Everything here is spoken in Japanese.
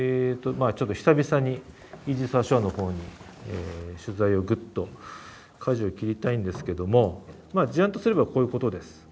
まあちょっと久々にイージス・アショアの方に取材をぐっとかじをきりたいんですけどもまあ事案とすればこういうことです。